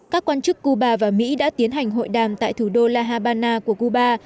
các quan chức cuba và mỹ đã tiến hành hội đàm tại thủ đô la habana của cuba